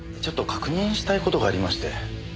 ちょっと確認したい事がありまして。